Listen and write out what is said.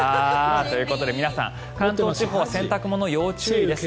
ということで皆さん関東地方は洗濯物要注意です。